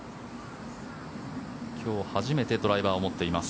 今日初めてドライバーを持っています。